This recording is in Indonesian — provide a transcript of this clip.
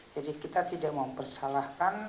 jadi kita tidak mempersalahkan